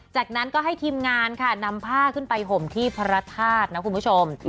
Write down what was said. จากนั้นก็ให้ทีมงานค่ะนำผ้าขึ้นไปห่มที่พระธาตุนะคุณผู้ชม